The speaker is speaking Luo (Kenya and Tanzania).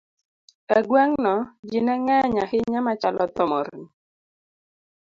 E gweng'no, ji ne ng'eny ahinya machalo thomorni